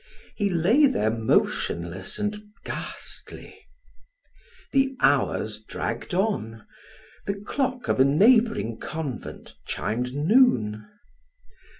He lay there motionless and ghastly. The hours dragged on; the clock of a neighboring convent chimed noon.